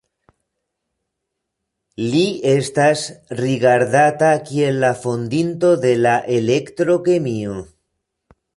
Li estas rigardata kiel la fondinto de la elektro-kemio.